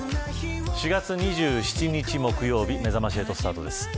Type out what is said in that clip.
４月２７日木曜日めざまし８スタートです。